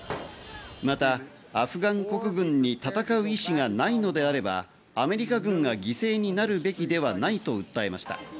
またアフガン国軍に戦う意思がないのであればアメリカ軍が犠牲になるべきではないと訴えました。